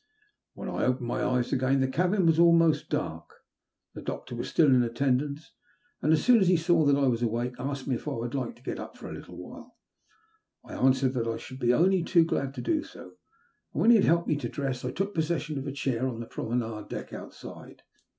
When I opened my eyes again the cabin was almost dark. The doctor was still in attendance, and, as soon as be saw that I was awake, asked me if I would like to get up for a little while. I answered that I should be only too glad to do so; and when he had helped me to dress, I took possession of a chair on the promenade deck outside.